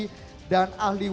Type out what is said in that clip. dan kemudian bapak profesor